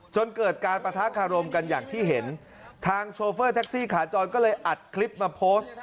จนเกิดการปะทะคารมกันอย่างที่เห็นทางโชเฟอร์แท็กซี่ขาจรก็เลยอัดคลิปมาโพสต์